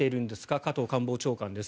加藤官房長官です。